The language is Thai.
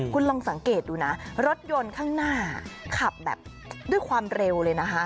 คุณลองสังเกตดูนะรถยนต์ข้างหน้าขับแบบด้วยความเร็วเลยนะคะ